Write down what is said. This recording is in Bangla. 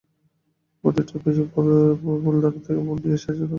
ঘটি টিপাইয়ের উপর রেখে অন্য ফুলদানি থেকে ফুল নিয়ে সাজাতে লাগল।